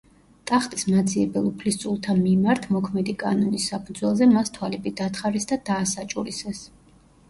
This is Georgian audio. ტახტის მაძიებელ უფლისწულთა მიმართ მოქმედი კანონის საფუძველზე მას თვალები დათხარეს და დაასაჭურისეს.